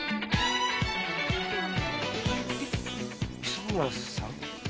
磯村さん？